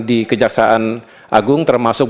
di kejaksaan agung termasuk